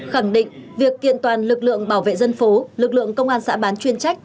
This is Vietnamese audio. khẳng định việc kiện toàn lực lượng bảo vệ dân phố lực lượng công an xã bán chuyên trách